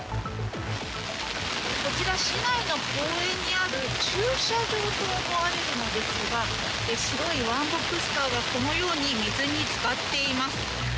こちら、市内の公園にある駐車場と思われるのですが白いワンボックスカーがこのように水に浸かっています。